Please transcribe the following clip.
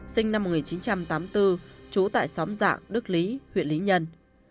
sinh năm một nghìn chín trăm tám mươi bốn trú tại xóm dạng đức lý huyện lý nhân